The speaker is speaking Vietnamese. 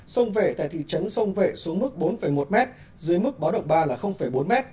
sông vệ tại thị trấn sông vệ xuống mức bốn một m dưới mức báo động ba là bốn m